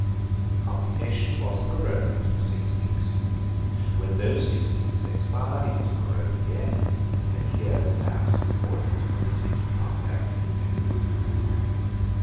The Convocation was prorogued for six weeks. When those six weeks had expired, it was prorogued again; and many years elapsed before it was permitted to transact business.